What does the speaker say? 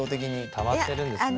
たまってるんですね。